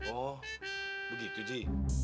oh begitu ji